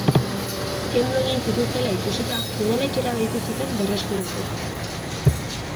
Kendu egin zituztela ikusita, udaletxera deitu zuten berreskuratzeko.